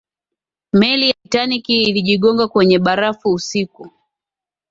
meli ya titanic ilijigonga kwenye barafu usiku